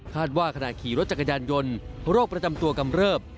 ว่าขณะขี่รถจักรยานยนต์โรคประจำตัวกำเริบ